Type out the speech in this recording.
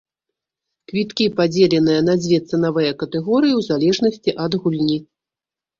Квіткі падзеленыя на дзве цэнавыя катэгорыі ў залежнасці ад гульні.